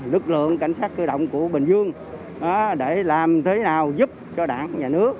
lực lượng cảnh sát cơ động của bình dương để làm thế nào giúp cho đảng nhà nước